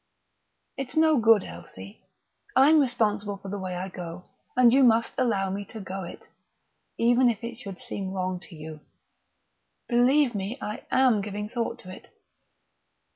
"It's no good, Elsie. I'm responsible for the way I go, and you must allow me to go it even if it should seem wrong to you. Believe me, I am giving thought to it....